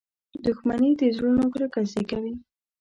• دښمني د زړونو کرکه زیږوي.